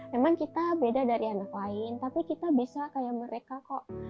memang kita beda dari anak lain tapi kita bisa kayak mereka kok